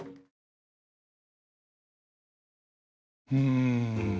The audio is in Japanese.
うん。